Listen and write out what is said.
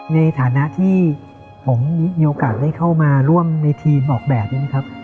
ในฐานะที่ผมมีโอกาสได้เข้ามาร่วมในทีมออกแบบนี้นะครับ